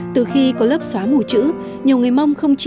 từ khi có lớp xóa mù chữ nhiều người mong không chịu